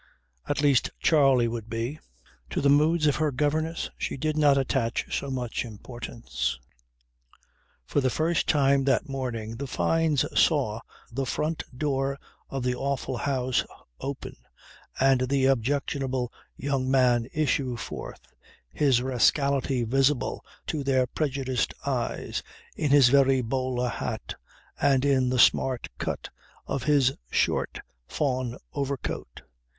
At least Charley would be. To the moods of her governess she did not attach so much importance. For the first time that morning the Fynes saw the front door of the awful house open and the objectionable young man issue forth, his rascality visible to their prejudiced eyes in his very bowler hat and in the smart cut of his short fawn overcoat.